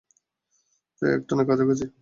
প্রায় এক টনের কাছাকাছি?